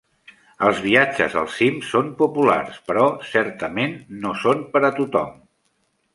Els viatges al cim són populars, però certament no són per a tothom.